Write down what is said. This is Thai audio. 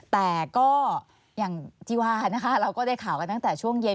แต่ก็อย่างที่ว่านะคะเราก็ได้ข่าวกันตั้งแต่ช่วงเย็น